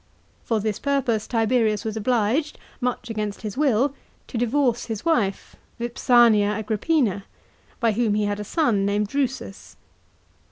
For this purpose Tiberius was obliged, much against his will, to divorce his wife Vips mia Agrippina, by whom he had a son named Drusus.